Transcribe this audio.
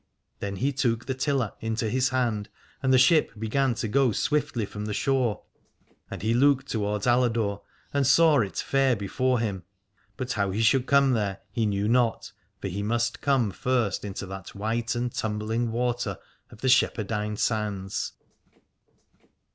Then he took the tiller into his hand, and the ship began to go swiftly from the shore. And he looked towards Aladore, and saw it fair before him : but how he should come there he knew not, for he must come first into that white and tumbling water of the Shepherdine Sands.